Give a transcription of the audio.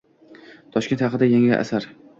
Toshkent haqida yangi asar